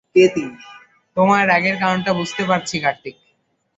তোমার রাগের কারণটা বুঝতে পারছি কার্তিক।